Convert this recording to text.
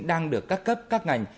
đang được các cấp các ngành